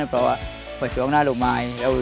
เพราะเป็นส่วนหน้าหลุมาย